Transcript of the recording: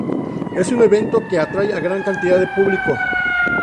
Es un evento que atrae a gran cantidad de público.